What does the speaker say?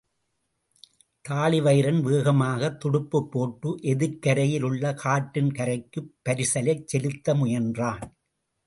தாழிவயிறன் வேகமாகத் துடுப்புப் போட்டு, எதிர்க்கரையில் உள்ள காட்டின் கரைக்குப் பரிசலைச் செலுத்த முயன்றான்.